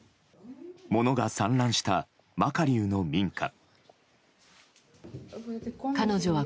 物が散乱したマカリウの民家。